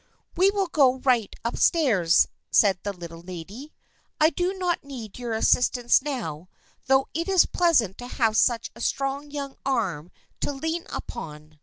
" We will go right up stairs," said the Little Lady. " I do not need your assistance now, though it is pleasant to have such a strong young arm to lean upon.